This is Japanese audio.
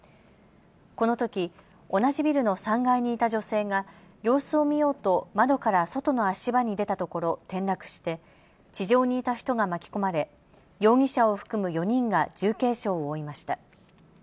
このとき、同じビルの３階にいた女性が様子を見ようと窓から外の足場に出たところ転落して地上にいた人が巻き込まれ容疑者を含む４人が重軽傷を負いました。